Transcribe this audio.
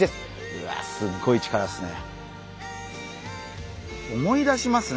うわすっごい力っすね。